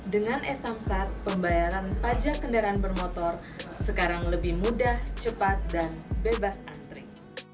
dengan e samsat pembayaran pajak kendaraan bermotor sekarang lebih mudah cepat dan bebas antri